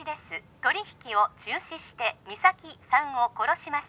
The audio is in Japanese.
取り引きを中止して実咲さんを殺します